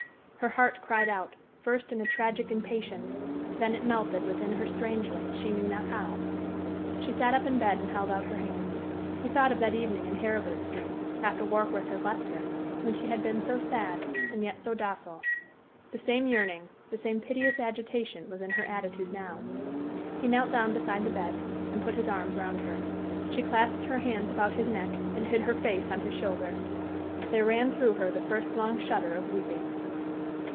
Her heart cried out, first in a tragic impatience; then it melted within her strangely, she knew not how. She sat up in bed and held out her hands. He thought of that evening in Heribert Street, after Warkworth had left her, when she had been so sad and yet so docile. The same yearning, the same piteous agitation was in her attitude now. He knelt down beside the bed and put his arms round her. She clasped her hands about his neck and hid her face on his shoulder. There ran through her the first long shudder of weeping.